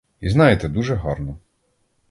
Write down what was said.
І, знаєте, дуже гарно!